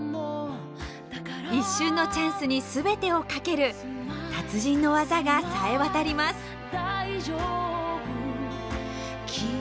一瞬のチャンスに全てを懸ける達人の技がさえ渡ります。